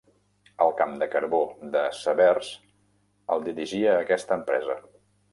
El camp de carbó de Severs el dirigia aquesta empresa.